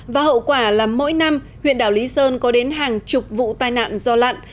và hậu quả là mỗi năm huyện đảo lý sơn có đến hàng chục vụ tai nạn do lặn